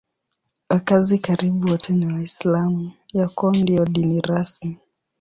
Wakazi karibu wote ni Waislamu; ya kwao ndiyo dini rasmi.